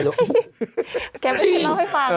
แล้วแกเป็นคนเล่าให้ฟัง